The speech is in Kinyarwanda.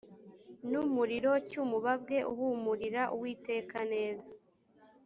n umuriro cy umubabwe uhumurira uwiteka neza